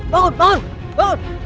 bangun bangun bangun